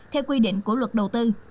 theo quy định của luật đầu tư